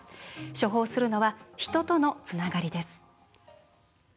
処方するのは人とのつながりです。